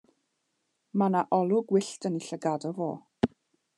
Mae 'na olwg wyllt yn 'i llgada fo.